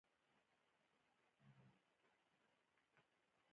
احمد شل کاله خپلو درسونو ته دوام ورکړ.